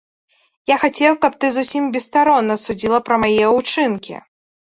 Я хацеў, каб ты зусім бесстаронна судзіла пра мае ўчынкі.